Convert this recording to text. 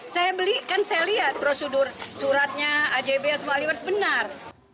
saya beli kan saya lihat prosedur suratnya ajb atau wali waris benar